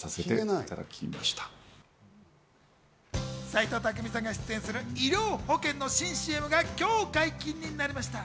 斎藤工さんが出演する医療保険の新ＣＭが今日解禁になりました。